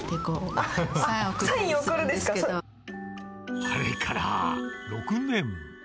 あれから６年。